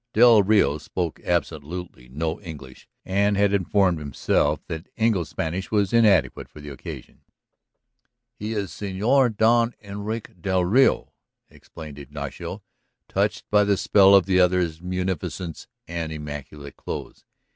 Del Rio spoke absolutely no English and had informed himself that Engle's Spanish was inadequate for the occasion. "He is Señor Don Enrique del Rio," explained Ignacio, touched by the spell of the other's munificence and immaculate clothes.